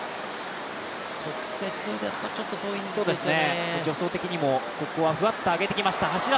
直接にはちょっと遠いですよね。